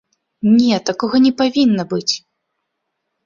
Не, такога не павінна быць!